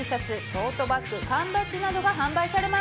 トートバッグ缶バッジなどが販売されます。